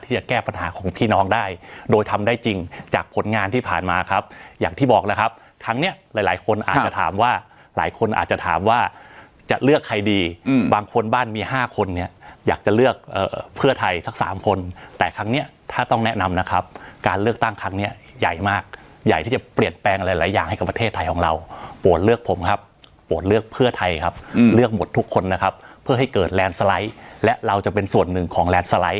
ที่จะแก้ปัญหาของพี่น้องได้โดยทำได้จริงจากผลงานที่ผ่านมาครับอย่างที่บอกนะครับครั้งนี้หลายคนอาจจะถามว่าหลายคนอาจจะถามว่าจะเลือกใครดีบางคนบ้านมี๕คนเนี่ยอยากจะเลือกเพื่อไทยสัก๓คนแต่ครั้งนี้ถ้าต้องแนะนำนะครับการเลือกตั้งครั้งนี้ใหญ่มากใหญ่ที่จะเปลี่ยนแปลงหลายอย่างให้กับประเทศไทยของเราโปรดเลือกผมครับโปร